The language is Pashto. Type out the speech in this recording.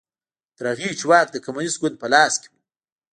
تر هغې چې واک د کمونېست ګوند په لاس کې و